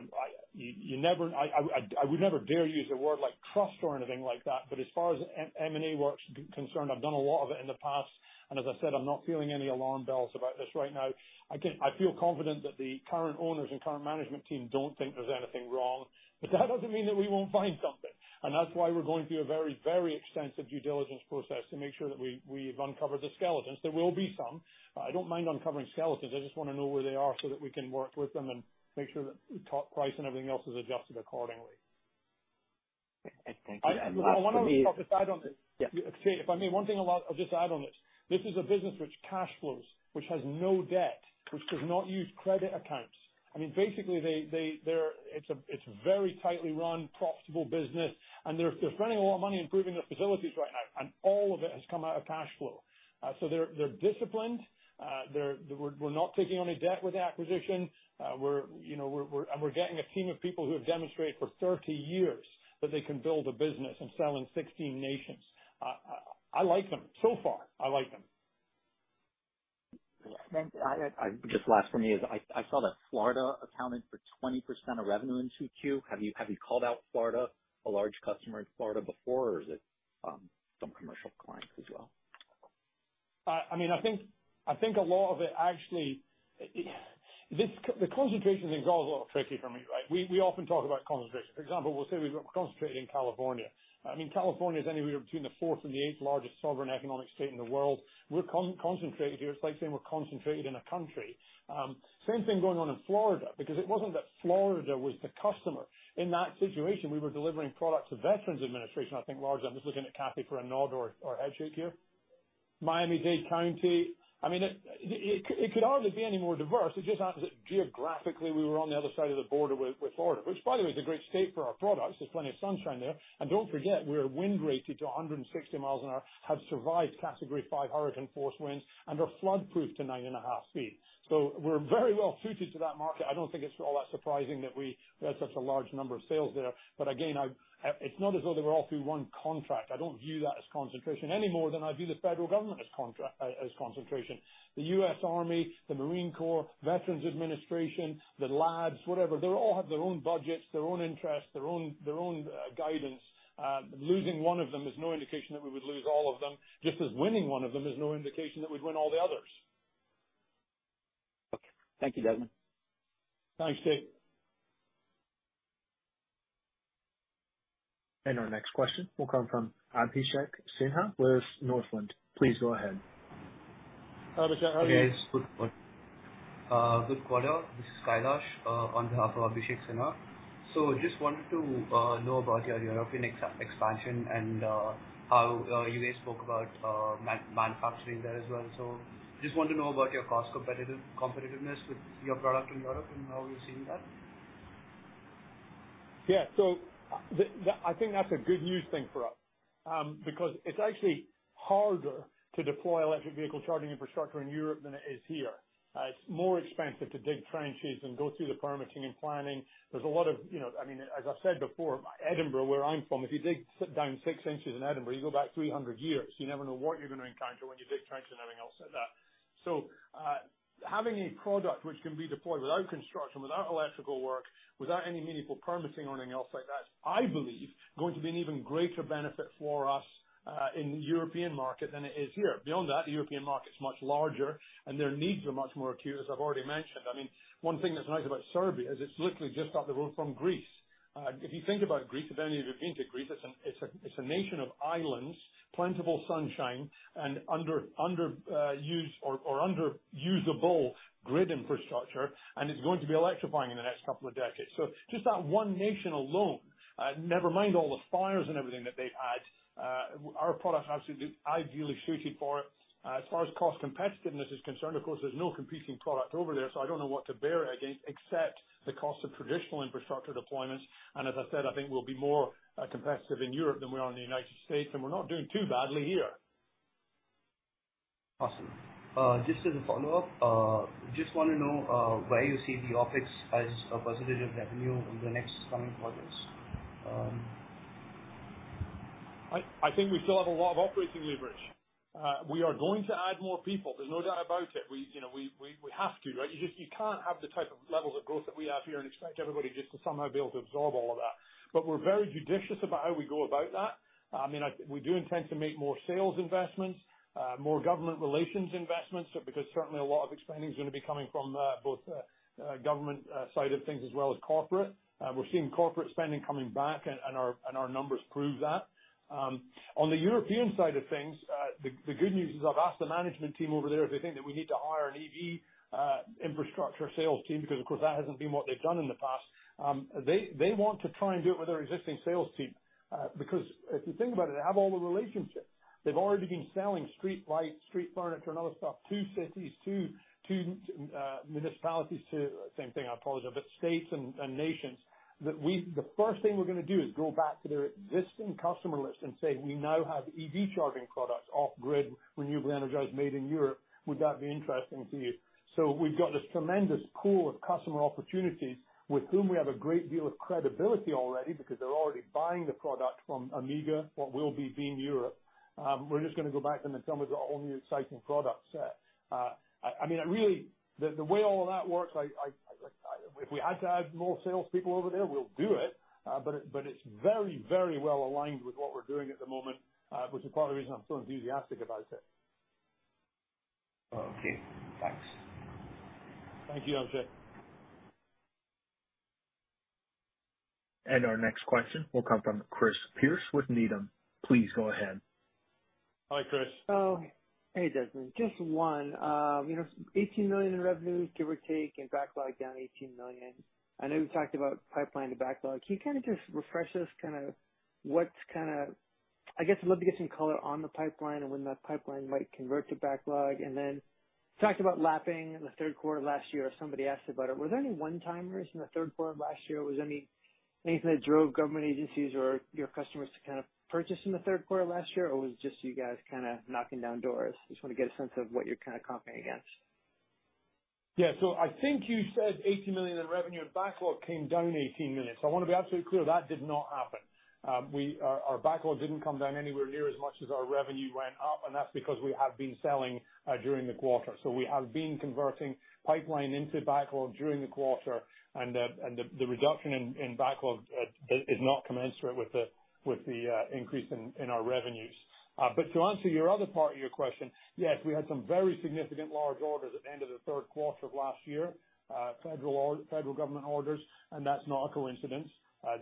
know, I would never dare use a word like trust or anything like that, but as far as M&A work's concerned, I've done a lot of it in the past, and as I said, I'm not feeling any alarm bells about this right now. I feel confident that the current owners and current management team don't think there's anything wrong, but that doesn't mean that we won't find something. That's why we're going through a very, very extensive due diligence process to make sure that we've uncovered the skeletons. There will be some. I don't mind uncovering skeletons. I just want to know where they are so that we can work with them and make sure that the top price and everything else is adjusted accordingly. Thank you. last for me- I, I want to just add on this. Yeah. If I may, one thing I'll just add on this. This is a business which cash flows, which has no debt, which does not use credit accounts. I mean, basically, they... It's a very tightly run, profitable business, and they're, they're spending a lot of money improving their facilities right now, and all of it has come out of cash flow. So they're, they're disciplined. They're not taking on any debt with the acquisition. We're, you know, we're... We're getting a team of people who have demonstrated for 30 years that they can build a business and sell in 16 nations. I, I like them. So far, I like them. Just last for me is I, I saw that Florida accounted for 20% of revenue in Q2. Have you, have you called out Florida, a large customer in Florida before? Or is it, some commercial clients as well? I mean, I think, I think a lot of it actually, it. This the concentration thing is always a little tricky for me, right? We, we often talk about concentration. For example, we'll say we've got concentrated in California. I mean, California is anywhere between the fourth and the eighth largest sovereign economic state in the world. We're concentrated here. It's like saying we're concentrated in a country. Same thing going on in Florida, because it wasn't that Florida was the customer. In that situation, we were delivering products to Veterans Administration I think largely. I'm just looking at Kathy for a nod or, or a head shake here. Miami-Dade County. I mean, it, it, it could hardly be any more diverse. It just happens that geographically, we were on the other side of the border with, with Florida. Which, by the way, is a great state for our products. There's plenty of sunshine there. Don't forget, we are wind rated to 160 miles an hour, have survived Category 5 hurricane force winds, and are flood proof to 9.5 feet. We're very well suited to that market. I don't think it's all that surprising that we had such a large number of sales there. Again, I, it's not as though they were all through one contract. I don't view that as concentration any more than I view the federal government as contra- as concentration. The US Army, the Marine Corps, Veterans Administration, the labs, whatever, they all have their own budgets, their own interests, their own, their own guidance. Losing one of them is no indication that we would lose all of them, just as winning one of them is no indication that we'd win all the others. Okay. Thank you, Desmond. Thanks, Tate. Our next question will come from Abhishek Sinha with Northland. Please go ahead. Hi, Abhishek. How are you? Yes, good quarter. Good quarter. This is Kailash on behalf of Abhishek Sinha. Just wanted to know about your European expansion and how you guys spoke about manufacturing there as well. Just want to know about your cost competitiveness with your product in Europe and how you're seeing that? Yeah. So the, the... I think that's a good news thing for us, because it's actually harder to deploy electric vehicle charging infrastructure in Europe than it is here. It's more expensive to dig trenches and go through the permitting and planning. There's a lot of, you know, I mean, as I've said before, Edinburgh, where I'm from, if you dig, sit down six inches in Edinburgh, you go back 300 years. You never know what you're going to encounter when you dig trenches and everything else like that. Having a product which can be deployed without construction, without electrical work, without any meaningful permitting or anything else like that, I believe going to be an even greater benefit for us, in the European market than it is here. Beyond that, the European market's much larger, and their needs are much more acute, as I've already mentioned. I mean, one thing that's nice about Serbia is it's literally just up the road from Greece. If you think about Greece, if any of you have been to Greece, it's a, it's a, it's a nation of islands, plentiful sunshine, and under, under used or, or under usable grid infrastructure, and it's going to be electrifying in the next couple of decades. Just that one nation alone, never mind all the fires and everything that they've had, our product is absolutely ideally suited for it. As far as cost competitiveness is concerned, of course, there's no competing product over there, so I don't know what to bear it against, except the cost of traditional infrastructure deployments. As I said, I think we'll be more competitive in Europe than we are in the United States, and we're not doing too badly here. Awesome. Just as a follow-up, just want to know, where you see the OpEx as a % of revenue in the next coming quarters? I, I think we still have a lot of operating leverage. We are going to add more people, there's no doubt about it. We, you know, we, we, we have to, right? You can't have the type of levels of growth that we have here and expect everybody just to somehow be able to absorb all of that. But we're very judicious about how we go about that. I mean, I, we do intend to make more sales investments, more government relations investments, because certainly a lot of expanding is going to be coming from both government side of things as well as corporate. We're seeing corporate spending coming back, and, and our, and our numbers prove that. On the European side of things, the good news is I've asked the management team over there if they think that we need to hire an EV infrastructure sales team, because, of course, that hasn't been what they've done in the past. They, they want to try and do it with their existing sales team, because if you think about it, they have all the relationships. They've already been selling street lights, street furniture, and other stuff to cities, to, to municipalities, to same thing, I apologize, but states and, and nations. The first thing we're gonna do is go back to their existing customer list and say, "We now have EV charging products, off-grid, renewably energized, made in Europe. Would that be interesting to you?" We've got this tremendous pool of customer opportunities with whom we have a great deal of credibility already because they're already buying the product from Amiga, what will be Beam Europe. We're just gonna go back to them and tell them about all new exciting product set. I mean, really, the way all of that works, I if we had to add more salespeople over there, we'll do it. It's very, very well aligned with what we're doing at the moment, which is part of the reason I'm so enthusiastic about it. Okay, thanks. Thank you, Abhishek. Our next question will come from Chris Pierce with Needham & Company. Please go ahead. Hi, Chris. Oh, hey, Desmond. Just one. You know, $18 million in revenue, give or take, and backlog down $18 million. I know you talked about pipeline to backlog. Can you kind of just refresh us, I guess I'd love to get some color on the pipeline and when that pipeline might convert to backlog. You talked about lapping in the Q3 last year. Somebody asked about it. Was there any one-timers in the Q3 of last year? Was there anything that drove government agencies or your customers to kind of purchase in the Q3 of last year, or was it just you guys kind of knocking down doors? Just want to get a sense of what you're kind of competing against. Yeah. I think you said $18 million in revenue and backlog came down $18 million. I want to be absolutely clear, that did not happen. We, our backlog didn't come down anywhere near as much as our revenue went up, That's because we have been selling during the quarter. We have been converting pipeline into backlog during the quarter, the, the reduction in, in backlog is not commensurate with the, with the increase in, in our revenues. To answer your other part of your question, yes, we had some very significant large orders at the end of the Q3 of last year, federal government orders, That's not a coincidence.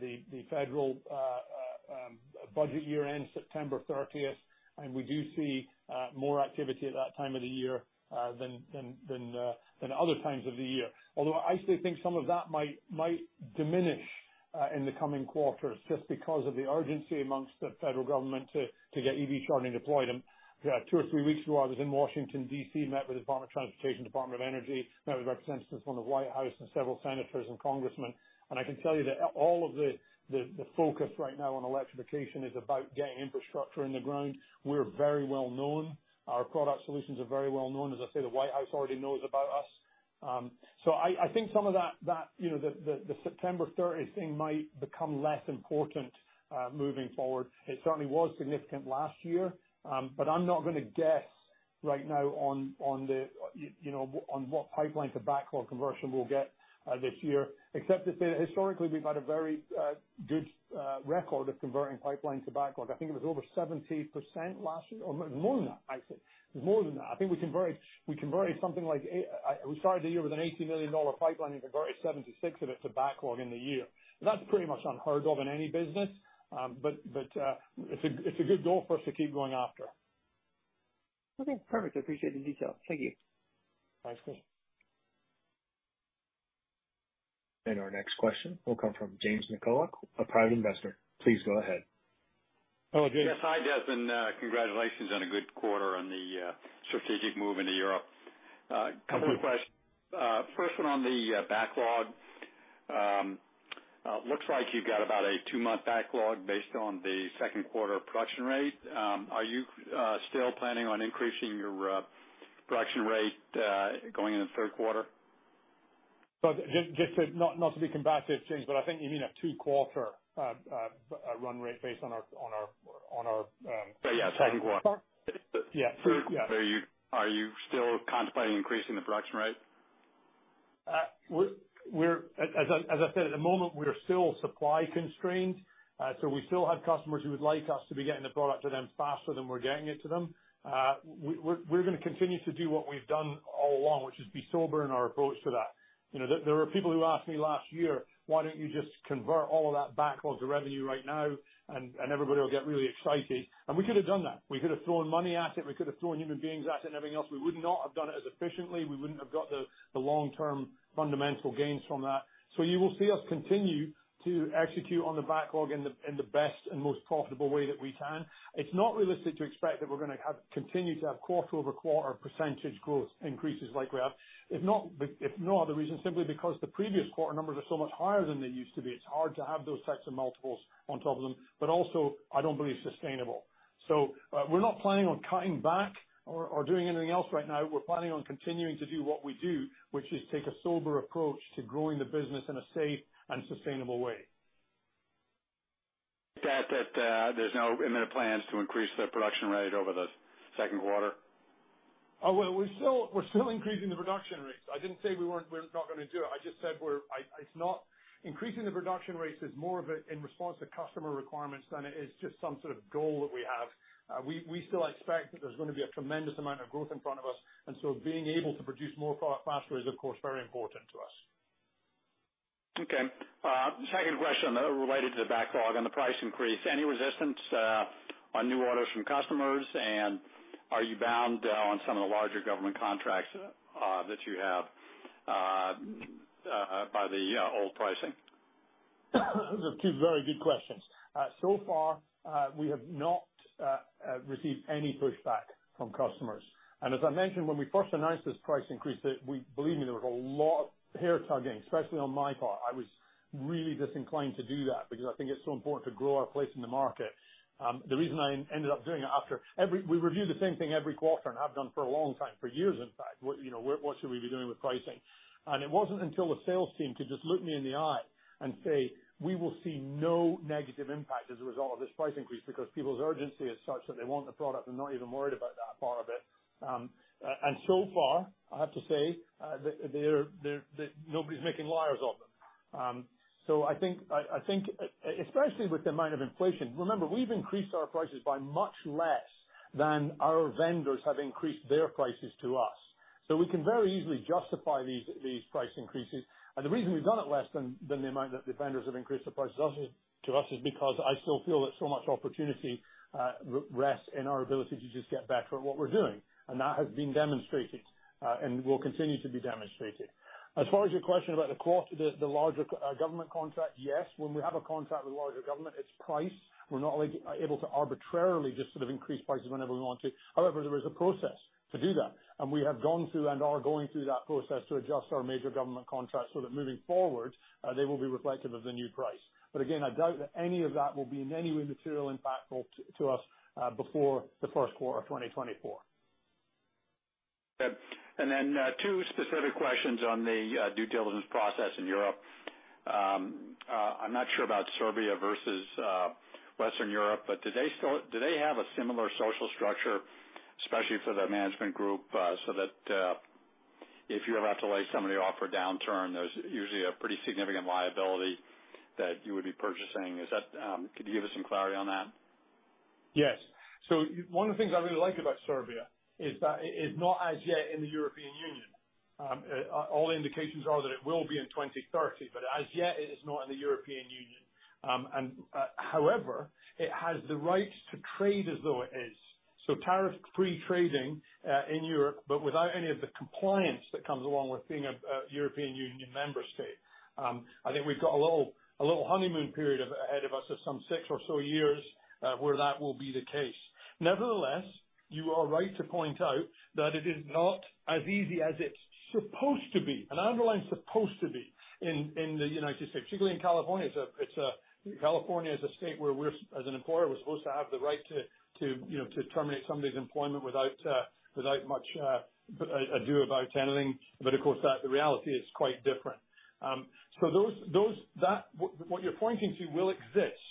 The federal budget year ends September 30th, we do see more activity at that time of the year than, than, than other times of the year. Although, I actually think some of that might, might diminish in the coming quarters, just because of the urgency amongst the federal government to get EV charging deployed. Two or 3 weeks ago, I was in Washington, D.C., met with the Department of Transportation, Department of Energy, met with representatives from the White House and several senators and congressmen. I can tell you that all of the, the, the focus right now on electrification is about getting infrastructure in the ground. We're very well known. Our product solutions are very well known. As I say, the White House already knows about us. I, I think some of that, that, you know, the, the September 30th thing might become less important, moving forward. It certainly was significant last year, but I'm not gonna guess right now on, on the, you know, on what pipeline to backlog conversion we'll get, this year. Except to say that historically, we've had a very good record of converting pipeline to backlog. I think it was over 70% last year, or more than that, actually. It was more than that. I think we converted, we converted something like we started the year with an $80 million pipeline and converted 76 of it to backlog in the year. That's pretty much unheard of in any business, but, but, it's a, it's a good goal for us to keep going after. Okay, perfect. I appreciate the detail. Thank you. Thanks. Our next question will come from James Mikulik, a private investor. Please go ahead. Hello, James. Yes. Hi, Desmond. Congratulations on a good quarter on the strategic move into Europe. Couple of questions. Sure. First one on the backlog. Looks like you've got about a two-month backlog based on the Q2 production rate. Are you still planning on increasing your production rate going into the Q3? just, just to... Not, not to be combative, James, but I think you mean a two quarter run rate based on our, on our, on our. Yeah, Q2. Yeah. three, yeah. Are you still contemplating increasing the production rate? As I, as I said, at the moment, we are still supply constrained, so we still have customers who would like us to be getting the product to them faster than we're getting it to them. We're gonna continue to do what we've done all along, which is be sober in our approach to that. You know, there, there were people who asked me last year: "Why don't you just convert all of that backlog to revenue right now and, and everybody will get really excited?" We could have done that. We could have thrown money at it, we could have thrown human beings at it and everything else. We would not have done it as efficiently. We wouldn't have got the, the long-term fundamental gains from that. You will see us continue to execute on the backlog in the best and most profitable way that we can. It's not realistic to expect that we're gonna continue to have quarter-over-quarter % growth increases like we have. If not, if no other reason, simply because the previous quarter numbers are so much higher than they used to be. It's hard to have those types of multiples on top of them, but also, I don't believe, sustainable. We're not planning on cutting back or doing anything else right now. We're planning on continuing to do what we do, which is take a sober approach to growing the business in a safe and sustainable way. That, that, there's no imminent plans to increase the production rate over the Q2? Well, we're still, we're still increasing the production rates. I didn't say we weren't, we're not gonna do it. I just said I, it's not... Increasing the production rates is more of a in response to customer requirements than it is just some sort of goal that we have. We, we still expect that there's going to be a tremendous amount of growth in front of us, and so being able to produce more product faster is, of course, very important to us. Okay. second question related to the backlog and the price increase. Any resistance on new orders from customers? Are you bound on some of the larger government contracts that you have by the old pricing?... Those are two very good questions. So far, we have not received any pushback from customers. As I mentioned, when we first announced this price increase, believe me, there was a lot of hair tugging, especially on my part. I was really disinclined to do that because I think it's so important to grow our place in the market. The reason I ended up doing it after... we review the same thing every quarter, and have done for a long time, for years, in fact, what, you know, what, what should we be doing with pricing? It wasn't until the sales team could just look me in the eye and say, "We will see no negative impact as a result of this price increase, because people's urgency is such that they want the product and not even worried about that part of it." So far, I have to say, that they're, that nobody's making liars of them. I think, I think, especially with the amount of inflation... Remember, we've increased our prices by much less than our vendors have increased their prices to us. We can very easily justify these, these price increases. The reason we've done it less than, than the amount that the vendors have increased the prices to us, to us, is because I still feel that so much opportunity rests in our ability to just get better at what we're doing. That has been demonstrated and will continue to be demonstrated. As far as your question about the cost of the, the larger government contract, yes, when we have a contract with larger government, it's priced. We're not only able to arbitrarily just sort of increase prices whenever we want to. However, there is a process to do that, and we have gone through and are going through that process to adjust our major government contracts so that moving forward, they will be reflective of the new price. Again, I doubt that any of that will be in any way material impactful to, to us, before the Q1 of 2024. Two specific questions on the due diligence process in Europe. I'm not sure about Serbia versus Western Europe, but do they have a similar social structure, especially for the management group, so that, if you have to lay somebody off for a downturn, there's usually a pretty significant liability that you would be purchasing? Is that, could you give us some clarity on that? Yes. One of the things I really like about Serbia is that it's not as yet in the European Union. All indications are that it will be in 2030, but as yet, it is not in the European Union. However, it has the right to trade as though it is. Tariff-free trading in Europe, but without any of the compliance that comes along with being a European Union member state. I think we've got a little, a little honeymoon period ahead of us of some six or so years, where that will be the case. Nevertheless, you are right to point out that it is not as easy as it's supposed to be, and I underline supposed to be, in the United States, particularly in California. California is a state where we're, as an employer, we're supposed to have the right to, to, you know, to terminate somebody's employment without, without much ado about anything. Of course, that, the reality is quite different. Those, those, that, what, what you're pointing to will exist.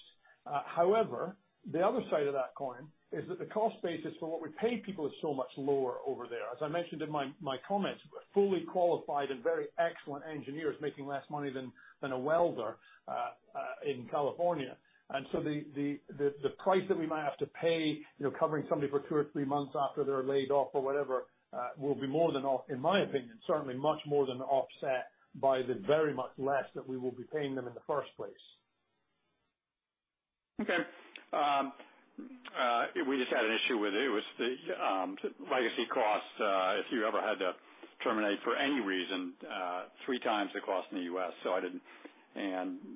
However, the other side of that coin is that the cost basis for what we pay people is so much lower over there. As I mentioned in my, my comments, fully qualified and very excellent engineers making less money than, than a welder in California. The price that we might have to pay, you know, covering somebody for two or three months after they're laid off or whatever, will be more than off, in my opinion, certainly much more than offset by the very much less that we will be paying them in the first place. Okay. We just had an issue with it, was the legacy cost, if you ever had to terminate for any reason, three times the cost in the US, so I didn't...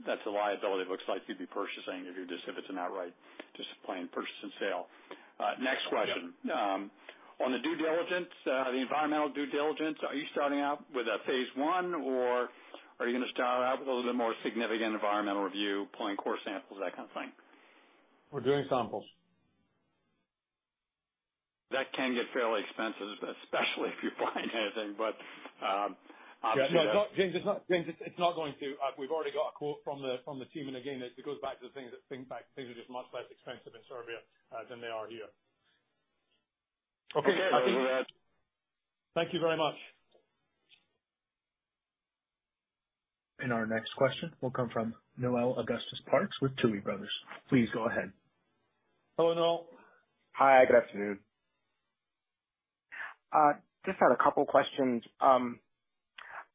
That's a liability it looks like you'd be purchasing if it's an outright just plain purchase and sale. Next question. Yeah. On the due diligence, the environmental due diligence, are you starting out with a phase I, or are you gonna start out with a little bit more significant environmental review, pulling core samples, that kind of thing? We're doing samples. That can get fairly expensive, especially if you're buying anything, but obviously that... No, James, it's not, James, it's, it's not going to. We've already got a quote from the, from the team, and again, it goes back to the things that things are just much less expensive in Serbia, than they are here. Okay, thank you very much. Thank you very much. Our next question will come from Noel Parks with Tuohy Brothers Investment Research. Please go ahead. Hello, Noel. Hi, good afternoon. Just had a couple questions.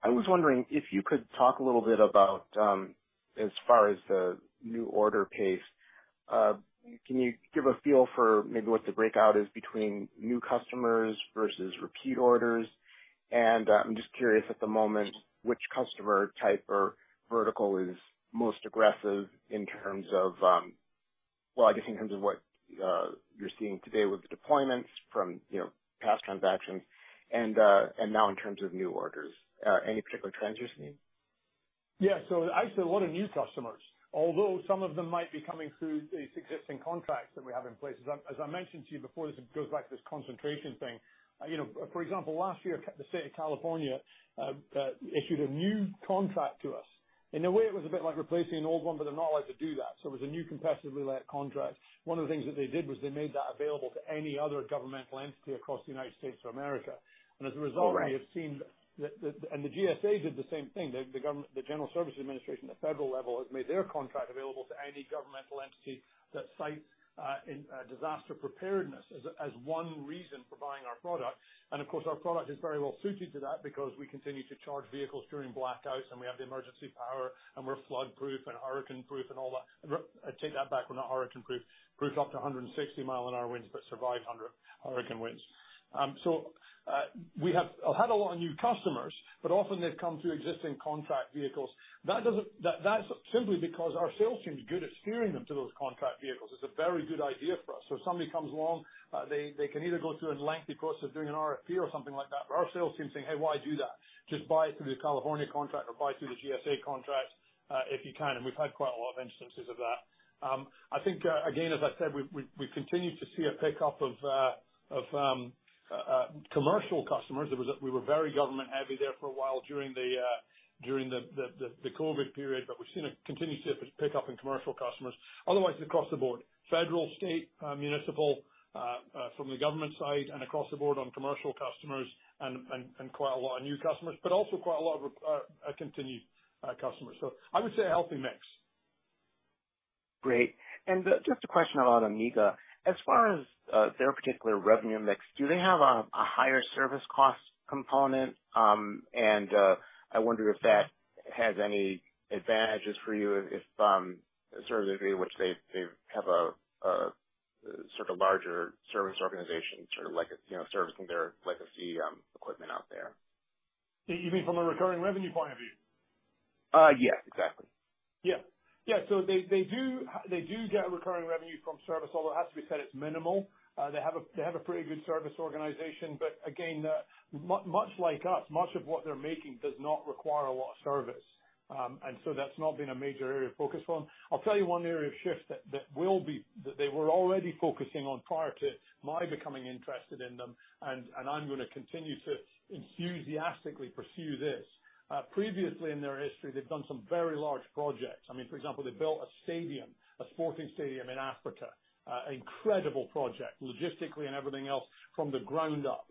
I was wondering if you could talk a little bit about, as far as the new order pace, can you give a feel for maybe what the breakout is between new customers versus repeat orders? I'm just curious at the moment, which customer type or vertical is most aggressive in terms of, well, I guess in terms of what, you're seeing today with the deployments from, you know, past transactions and, and now in terms of new orders? Any particular trends you're seeing? Yeah. Actually, a lot of new customers, although some of them might be coming through these existing contracts that we have in place. As I mentioned to you before, this goes back to this concentration thing. You know, for example, last year, the State of California issued a new contract to us. In a way, it was a bit like replacing an old one, but they're not allowed to do that. It was a new competitively let contract. One of the things that they did was they made that available to any other governmental entity across the United States of America. Oh, right. As a result, we have seen that. The GSA did the same thing. The government, the General Services Administration, the federal level, has made their contract available to any governmental entity that cites in disaster preparedness as one reason for buying our product. Of course, our product is very well suited to that because we continue to charge vehicles during blackouts, and we have the emergency power, and we're flood-proof and hurricane-proof and all that. Take that back, we're not hurricane-proof. Proofed up to 160 mile an hour winds, but survive 100 hurricane winds. We have had a lot of new customers, but often they've come through existing contract vehicles. That doesn't, that's simply because our sales team is good at steering them to those contract vehicles. It's a very good idea for us. If somebody comes along, they, they can either go through a lengthy process of doing an RFP or something like that. Our sales team saying, "Hey, why do that? Just buy it through the California contract or buy through the GSA contract, if you can." We've had quite a lot of instances of that. I think, again, as I said, we've, we've, we've continued to see a pickup of, of, commercial customers. It was, we were very government-heavy there for a while during the, during the, the, the COVID period, but we've seen a continued pick up in commercial customers. Otherwise, across the board, federal, state, municipal, from the government side and across the board on commercial customers and, and, and quite a lot of new customers, but also quite a lot of, continued, customers. I would say a healthy mix. Great. Just a question about Amiga. As far as their particular revenue mix, do they have a higher service cost component? I wonder if that has any advantages for you if sort of degree in which they, they have a sort of larger service organization, sort of like a, you know, servicing their legacy equipment out there. You, you mean from a recurring revenue point of view? Yes, exactly. Yeah. Yeah, so they, they do get recurring revenue from service, although it has to be said, it's minimal. They have a, they have a pretty good service organization, but again, much like us, much of what they're making does not require a lot of service. That's not been a major area of focus for them. I'll tell you one area of shift that, that will be... That they were already focusing on prior to my becoming interested in them, and I'm gonna continue to enthusiastically pursue this. Previously in their history, they've done some very large projects. I mean, for example, they built a stadium, a sporting stadium in Africa. Incredible project, logistically and everything else, from the ground up.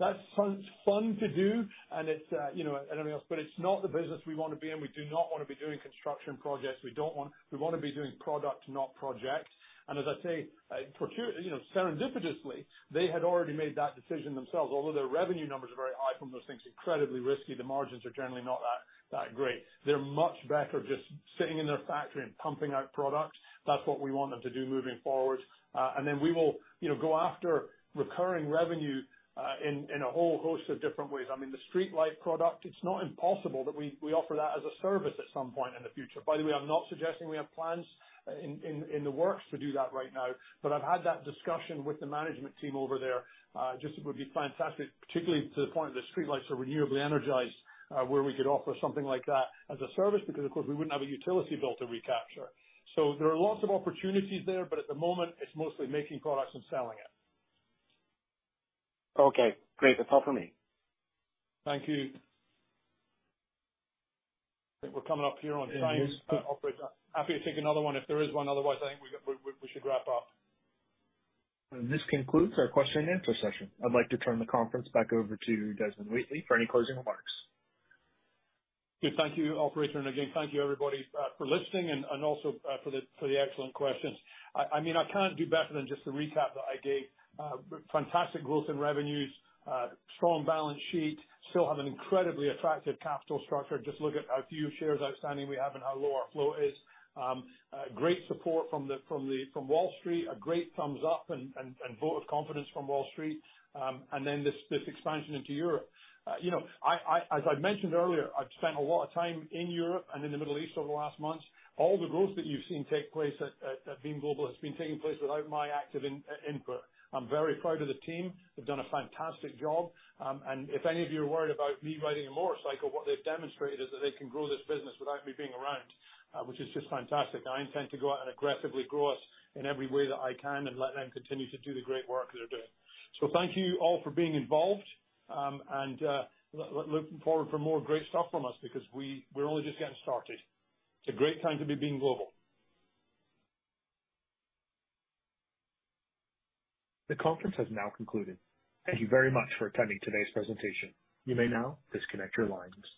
That's fun, fun to do, and it's, you know, and everything else, but it's not the business we want to be in. We do not want to be doing construction projects. We don't want, we want to be doing product, not projects. As I say, you know, serendipitously, they had already made that decision themselves. Although their revenue numbers are very high from those things, incredibly risky, the margins are generally not that, that great. They're much better just sitting in their factory and pumping out products. That's what we want them to do moving forward. Then we will, you know, go after recurring revenue, in a whole host of different ways. I mean, the streetlight product, it's not impossible that we, we offer that as a service at some point in the future. By the way, I'm not suggesting we have plans, in, in, in the works to do that right now, but I've had that discussion with the management team over there. Just it would be fantastic, particularly to the point that streetlights are renewably energized, where we could offer something like that as a service, because, of course, we wouldn't have a utility bill to recapture. There are lots of opportunities there, but at the moment, it's mostly making products and selling it. Okay, great. That's all for me. Thank you. I think we're coming up here on time, operator. Happy to take another one if there is one, otherwise, I think we, we, we should wrap up. This concludes our question and answer session. I'd like to turn the conference back over to Desmond Wheatley for any closing remarks. Good. Thank you, operator. Again, thank you, everybody, for listening and, and also, for the, for the excellent questions. I mean, I can't do better than just the recap that I gave. Fantastic growth in revenues, strong balance sheet, still have an incredibly attractive capital structure. Just look at how few shares outstanding we have and how low our flow is. Great support from the, from the, from Wall Street, a great thumbs up and, and, and vote of confidence from Wall Street, and then this, this expansion into Europe. You know, as I mentioned earlier, I've spent a lot of time in Europe and in the Middle East over the last months. All the growth that you've seen take place at, at, at Beam Global has been taking place without my active input. I'm very proud of the team. They've done a fantastic job. If any of you are worried about me riding a motorcycle, what they've demonstrated is that they can grow this business without me being around, which is just fantastic. I intend to go out and aggressively grow us in every way that I can and let them continue to do the great work they're doing. Thank you all for being involved, and look forward for more great stuff from us, because we're only just getting started. It's a great time to be Beam Global. The conference has now concluded. Thank you very much for attending today's presentation. You may now disconnect your lines.